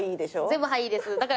全部「はい」です。